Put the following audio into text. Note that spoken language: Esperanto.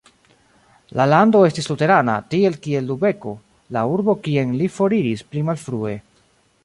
La lando estis luterana, tiel kiel Lubeko, la urbo kien li foriris pli malfrue.